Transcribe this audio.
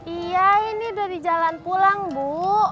iya ini udah di jalan pulang bu